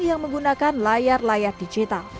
yang menggunakan layar layar digital